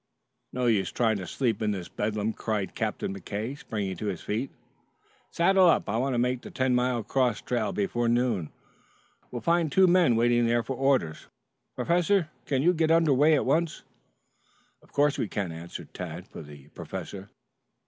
"No use trying to sleep in this bedlam," cried Captain McKay springing to his feet. "Saddle up. I want to make the Ten Mile cross trail before noon. We'll find two men waiting there for orders. Professor, can you get under way at once?" "Of course we can," answered Tad for the professor.